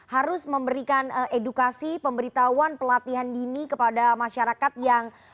harus memberikan edukasi pemberitahuan pelatihan dini kepada masyarakat yang